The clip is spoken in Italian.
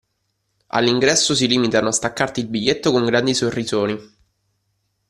All'ingresso si limitano a staccarti il biglietto con grandi sorrisoni.